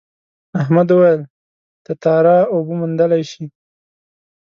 احمد وویل تتارا اوبه موندلی شي.